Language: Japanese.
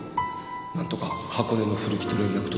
なんとか箱根の古木と連絡取って。